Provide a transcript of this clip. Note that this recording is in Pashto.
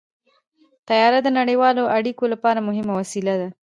طیاره د نړیوالو اړیکو لپاره مهمه وسیله ده.